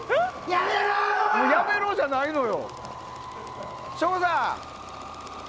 やめろ！じゃないのよ。